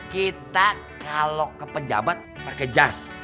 kita kalo ke pejabat pake jas